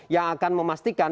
yang akan memastikan